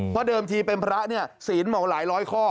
เพราะเดิมทีเป็นพระเนี่ยศีลเหมาหลายร้อยข้อ